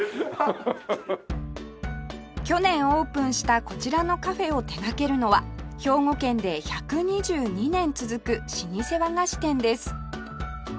去年オープンしたこちらのカフェを手掛けるのは兵庫県で１２２年続く老舗和菓子店です